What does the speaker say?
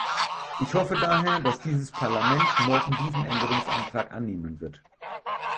Ich hoffe daher, dass dieses Parlament morgen diesen Änderungsantrag annehmen wird.